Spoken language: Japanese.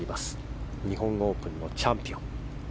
日本オープンのチャンピオン。